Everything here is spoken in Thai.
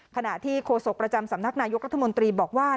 ขณะที่โฆษกประจำสำนักนายกรัฐมนตรีบอกว่า